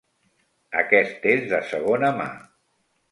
Aquest és de segona mà.